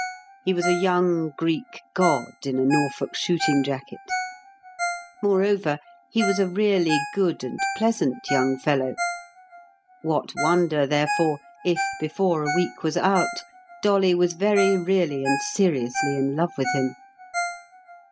He was a young Greek god in a Norfolk shooting jacket. Moreover, he was a really good and pleasant young fellow. What wonder, therefore, if before a week was out, Dolly was very really and seriously in love with him?